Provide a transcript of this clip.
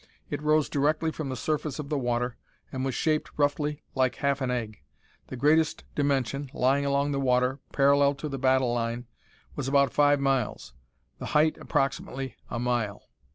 It rose directly from the surface of the water, and was shaped roughly like half an egg. The greatest dimension, lying along the water, parallel to the battle line, was about 5 miles; the height approximately a mile.